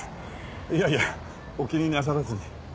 いやいやお気になさらず。